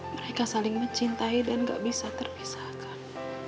mereka saling mencintai dan gak bisa terpisahkan